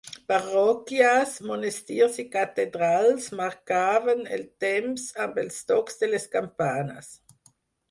Parròquies, monestirs i catedrals, marcaven el temps amb els tocs de les campanes.